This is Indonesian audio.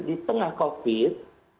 di tengah covid